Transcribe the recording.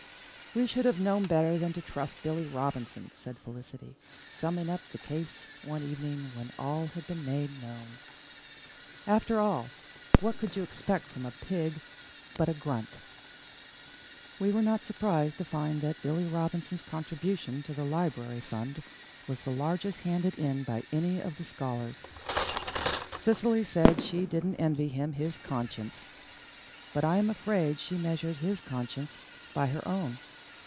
"We should have known better than to trust Billy Robinson," said Felicity, summing up the case one evening when all had been made known. "After all, what could you expect from a pig but a grunt?" We were not surprised to find that Billy Robinson's contribution to the library fund was the largest handed in by any of the scholars. Cecily said she didn't envy him his conscience. But I am afraid she measured his conscience by her own.